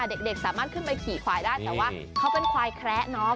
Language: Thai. เด็กสามารถขึ้นไปขี่ควายได้แต่ว่าเขาเป็นควายแคระเนาะ